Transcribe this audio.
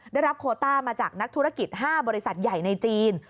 ได้รับโคต้ามาจากนักธุรกิจ๕บริษัทใหญ่ในจีน